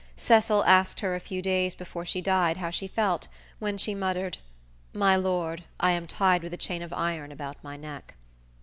Cecil asked her a few days before she died how she felt, when she muttered, "My lord, I am tied with a chain of iron about my neck."